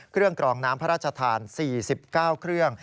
กรองน้ำพระราชทาน๔๙เครื่อง